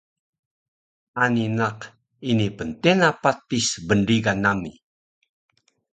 Ani naq ini pntena patis bnrigan nami